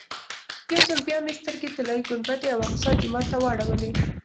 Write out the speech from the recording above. یو ځل بیا مې سترګې طلایي ګنبدې او اقصی جومات ته واړولې.